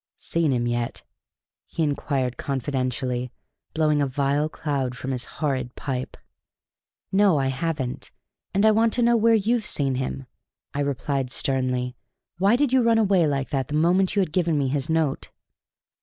"Seen 'im yet?" he inquired confidentially, blowing a vile cloud from his horrid pipe. "No, I haven't; and I want to know where you've seen him," I replied sternly. "Why did you run away like that the moment you had given me his note?"